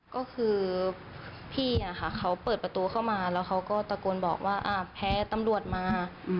ก็คือพี่เขาเปิดประตูเข้ามาแล้วเขาก็ตะโกนบอกว่าแพ้ตำรวจมา